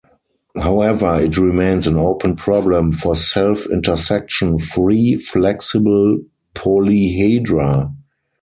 However, it remains an open problem for self-intersection free flexible polyhedra.